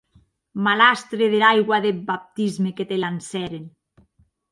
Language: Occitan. Malastre dera aigua deth baptisme que te lancèren!